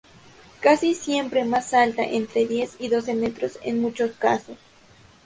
Casi siempre más alta, entre diez y doce metros en muchos casos.